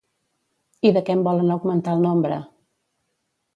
I de què en volen augmentar el nombre?